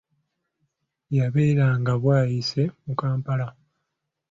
Yabeeranga Bwayise mu Kampala.